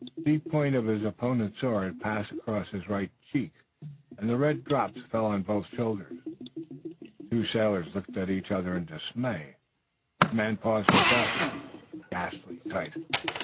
The deep point of his opponent's sword had passed across his right cheek and the red drops fell on both shoulders. The two sailors looked at each other in dismay. The man paused for breath and he was a ghastly sight.